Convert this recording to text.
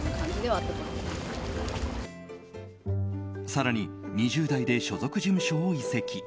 更に２０代で所属事務所を移籍。